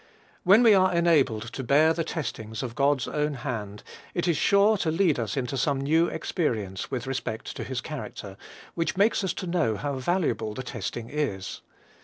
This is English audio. When we are enabled to bear the testings of God's own hand, it is sure to lead us into some new experience with respect to his character, which makes us to know how valuable the testing is.